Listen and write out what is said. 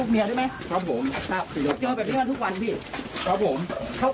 แบบนี้เลย